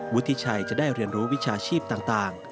วุฒิชัยจะได้เรียนรู้วิชาชีพต่าง